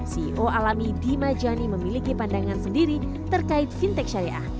ceo alami dima jani memiliki pandangan sendiri terkait fintech syariah